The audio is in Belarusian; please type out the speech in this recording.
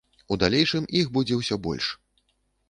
У далейшым іх будзе ўсё больш.